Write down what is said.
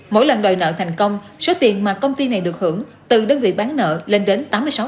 mỗi lần đòi nợ thành công số tiền mà công ty này được hưởng từ đơn vị bán nợ lên đến tám mươi sáu